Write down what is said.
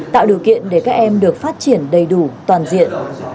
tạo điều kiện để các em được phát triển đầy đủ toàn diện